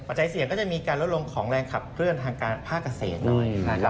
จัยเสี่ยงก็จะมีการลดลงของแรงขับเคลื่อนทางการภาคเกษตรหน่อย